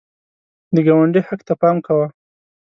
د ګاونډي حق ته پام کوه